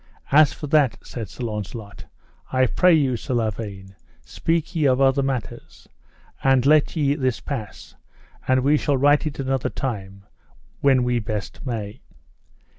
As for that, said Sir Launcelot, I pray you, Sir Lavaine, speak ye of other matters, and let ye this pass, and we shall right it another time when we best may.